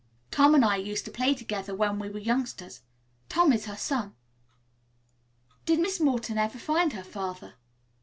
Tom and I used to play together when we were youngsters. Tom is her son." "Did Miss Morton ever find her father?"